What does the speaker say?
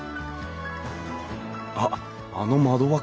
あっあの窓枠もだ。